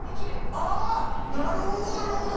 あぁなるほどなるほど！